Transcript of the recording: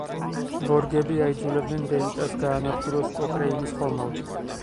ბორგები აიძულებენ დეიტას გაანადგუროს კოკრეინის ხომალდი.